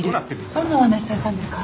どんなお話されたんですか？